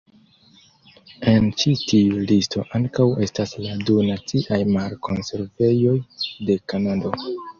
En ĉi tiu listo ankaŭ estas la du Naciaj Mar-Konservejoj de Kanado.